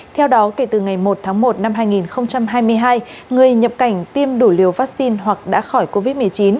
theo đó kể từ ngày một tháng một năm hai nghìn hai mươi hai người nhập cảnh tiêm đủ liều vaccine hoặc đã khỏi covid một mươi chín